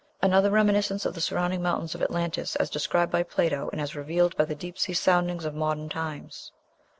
Another reminiscence of the surrounding mountains of Atlantis as described by Plato, and as revealed by the deep sea soundings of modern times.